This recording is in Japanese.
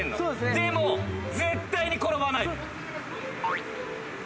でも絶対に転ばないで！